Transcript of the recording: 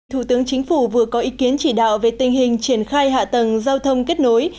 thủ tướng chính phủ vừa có ý kiến chỉ đạo về tình hình triển khai hạ tầng giao thông kết nối